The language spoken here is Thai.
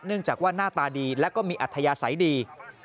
จากว่าหน้าตาดีและก็มีอัธยาศัยดี